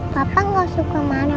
papa gak suka marah marah lagi kok